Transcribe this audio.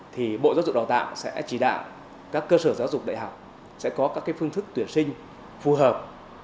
thì bộ giáo dục đào tạo sẽ chỉ đạo các cơ sở giáo dục đại học sẽ có các phương thức tuyển sinh phù hợp